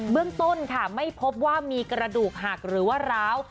เรื่องต้นค่ะไม่พบว่ามีกระดูกหักหรือว่าร้าว